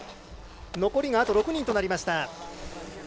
残りがあと６人となりました。